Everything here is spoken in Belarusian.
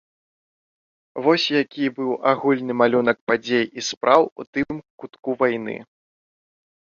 Вось які быў агульны малюнак падзей і спраў у тым кутку вайны.